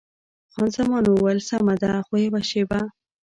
خان زمان وویل: سمه ده، خو یوه شېبه.